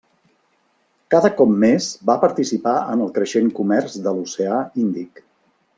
Cada cop més va participar en el creixent comerç de l'Oceà Índic.